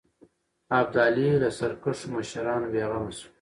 ابدالي له سرکښو مشرانو بېغمه شو.